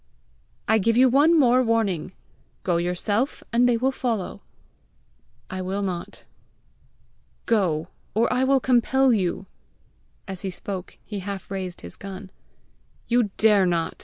"I give you one more warning. Go yourself, and they will follow." "I will not." "Go, or I will compel you." As he spoke, he half raised his gun. "You dare not!"